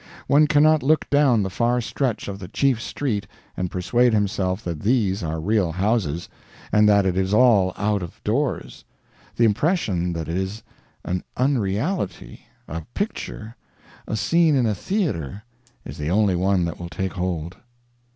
One cannot look down the far stretch of the chief street and persuade himself that these are real houses, and that it is all out of doors the impression that it is an unreality, a picture, a scene in a theater, is the only one that will take hold.